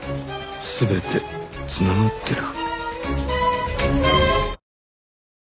全て繋がってる？